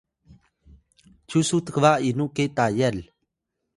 cyu su tkba inu ke Tayal?